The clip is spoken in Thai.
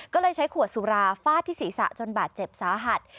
ก็เลยใช้ขวดสุราฟาดที่ศีรษะจนบาดเจ็บสาหัส